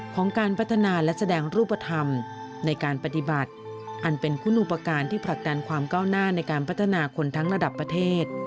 ของการพัฒนาและแสดงรูปธรรมในการปฏิบัติอันเป็นคุณอุปการณ์ที่ผลักดันความก้าวหน้าในการพัฒนาคนทั้งระดับประเทศ